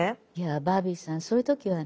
バービーさんそういう時はね